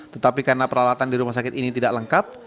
tetapi karena peralatan di rumah sakit ini tidak lengkap